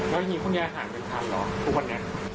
แล้วยังไม่มีคุณแยะอาหารเป็นทานเหรอทุกวันนี้